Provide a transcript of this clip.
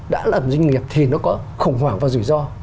đã làm doanh nghiệp thì nó có khủng hoảng và rủi ro